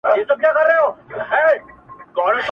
چي هوس و، نو دي بس و.